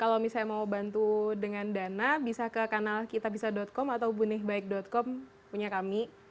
kalau misalnya mau bantu dengan dana bisa ke kanal kitabisa com atau bunihbaik com punya kami